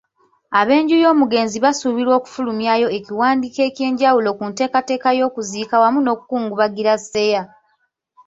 Ab'enju y'omugenzi basuubirwa okufulumyawo ekiwandiiko eky'enjawulo ku nteekateeka y'okuziika wamu n'okukungubagira Seeya.